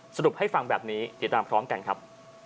สรุปให้ฟังแบบนี้ติดตามพร้อมกันครับ